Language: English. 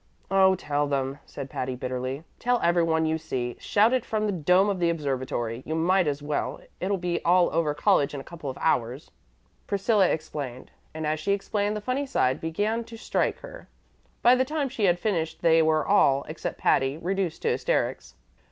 "Oh, tell them," said Patty, bitterly. "Tell every one you see. Shout it from the dome of the observatory. You might as well; it'll be all over college in a couple of hours." Priscilla explained, and as she explained the funny side began to strike her. By the time she had finished they were all except Patty reduced to hysterics.